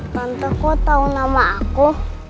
tante kok tau nama aku